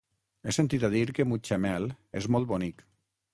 He sentit a dir que Mutxamel és molt bonic.